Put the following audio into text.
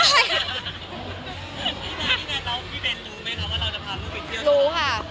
มีใครปิดปาก